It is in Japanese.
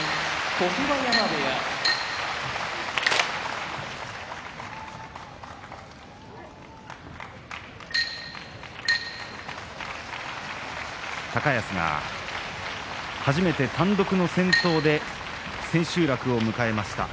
常盤山部屋高安が初めて単独の先頭で千秋楽を迎えました。